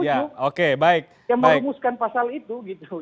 yang mengumuskan pasal itu